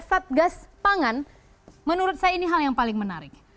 satgas pangan menurut saya ini hal yang paling menarik